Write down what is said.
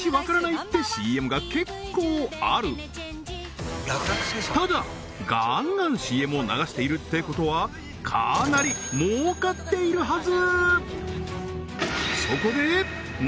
でもってＣＭが結構あるただガンガンＣＭを流しているってことはかなり儲かっているはず